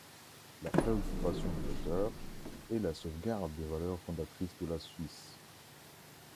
La préoccupation de l'auteur est la sauvegarde des valeurs fondatrices de la Suisse.